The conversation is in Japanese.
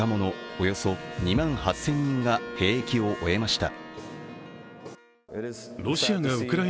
およそ２万８０００人が兵役を終えました。